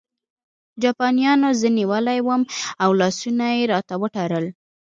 جاپانیانو زه نیولی وم او لاسونه یې راته وتړل